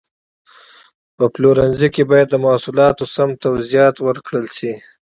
په پلورنځي کې باید د محصولاتو سمه توضیحات ورکړل شي.